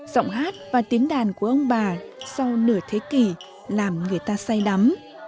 giọng hát và tiếng đàn của ông bà sau nửa thế kỷ làm người ta say đắm